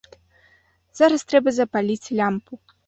Зараз трэба запаліць лямпу.